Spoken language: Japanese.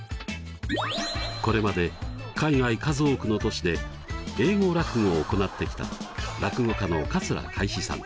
これまで海外数多くの都市で英語落語を行ってきた落語家の桂かい枝さん。